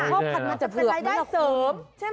พ่อพันธุ์มันจะเป็นรายได้เสริม